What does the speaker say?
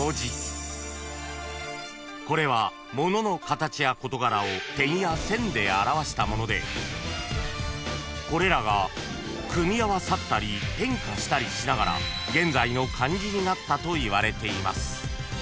［これは物の形や事柄を点や線で表したものでこれらが組み合わさったり変化したりしながら現在の漢字になったといわれています］